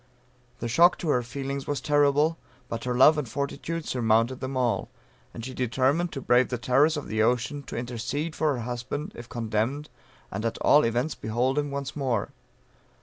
The shock to her feelings was terrible, but her love and fortitude surmounted them all; and she determined to brave the terrors of the ocean, to intercede for her husband if condemned, and at all events behold him once more.